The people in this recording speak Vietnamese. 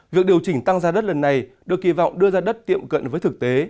việc điều chỉnh tăng giá đất lần này được kỳ vọng đưa ra đất tiệm cận với thực tế